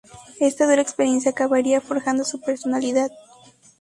Esta dura experiencia acabaría forjando su personalidad.